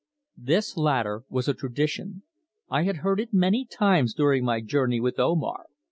This latter was a tradition. I had heard it many times during my journey with Omar.